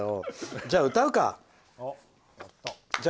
じゃあ、歌うか。